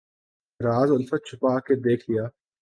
راز الفت چھپا کے دیکھ لیا